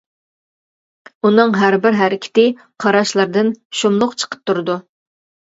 ئۇنىڭ ھەربىر ھەرىكىتى، قاراشلىرىدىن شۇملۇق چىقىپ تۇرىدۇ.